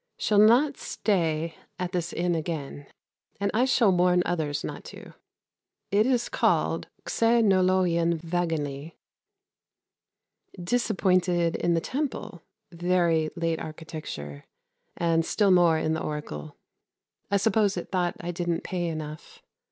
Shall not stay at this inn again, and I shall warn others not to. It is called ΞΕΝΩΛΟΧΕΙΟΝ ΒΑΓΟΝΛΗ. Disappointed in the Temple (very late architecture) and still more in the Oracle. I suppose it thought I didn't pay enough.